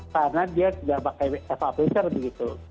karena dia sudah pakai eva filter begitu